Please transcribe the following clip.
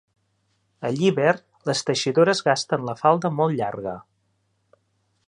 A Llíber les teixidores gasten la falda molt llarga.